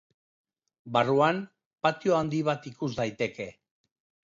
Barruan, patio handi bat ikus daiteke.